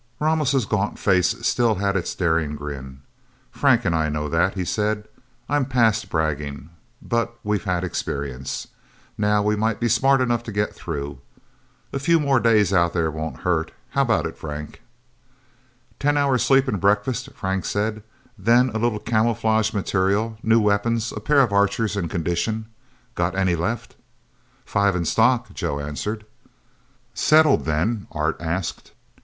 Ramos' gaunt face still had its daring grin. "Frank and I know that," he said. "I'm past bragging. But we've had experience. Now, we might be smart enough to get through. A few more days out there won't hurt. How about it, Frank?" "Ten hours sleep and breakfast," Frank said. "Then a little camouflage material, new weapons, a pair of Archers in condition got any left?" "Five in stock," Joe answered. "Settled, then?" Art asked.